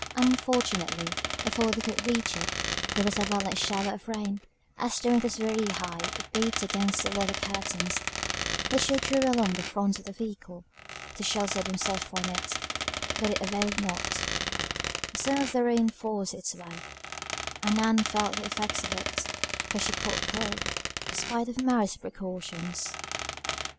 Unfortunately, before they could reach it there was a violent shower of rain; and as the wind was very high, it beat against the leather curtains, which they drew along the front of the vehicle, to shelter themselves from it; but it availed not, some of the rain forced its way, and Ann felt the effects of it, for she caught cold, spite of Mary's precautions.